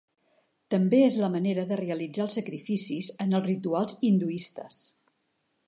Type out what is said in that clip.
També és la manera de realitzar els sacrificis en els rituals hinduistes.